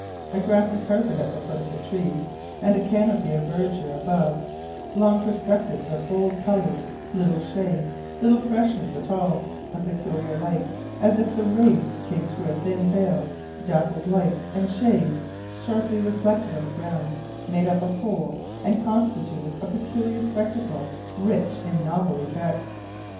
A grassy carpet at the foot of the trees, and a canopy of verdure above, long perspectives of bold colors, little shade, little freshness at all, a peculiar light, as if the rays came through a thin veil, dappled lights and shades sharply reflected on the ground, made up a whole, and constituted a peculiar spectacle rich in novel effects.